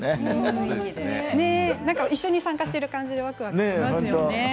一緒に会議に参加している感じでわくわくしますよね。